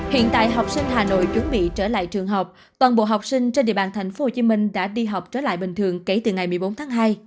hiện tại học sinh hà nội chuẩn bị trở lại trường học toàn bộ học sinh trên địa bàn tp hcm đã đi học trở lại bình thường kể từ ngày một mươi bốn tháng hai